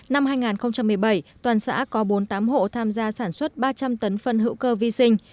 năm hai nghìn một mươi bảy toàn xã có bốn mươi tám hộ tham gia sản xuất ba trăm linh tấn phân hữu cơ vi sinh